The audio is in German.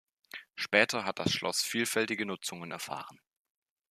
Später hat das Schloss vielfältige Nutzungen erfahren.